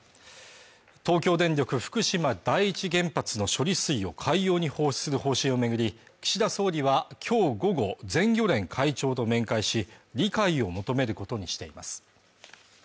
東京電力福島第一原発の処理水を海洋に放出する方針を巡り岸田総理は今日午後、全漁連会長と面会し理解を求めることにしています